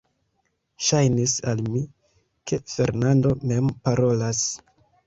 Ŝajnis al mi, ke Fernando mem parolas.